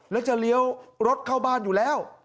แล้วจะเลี้ยวรถเข้าบ้านอยู่แล้ว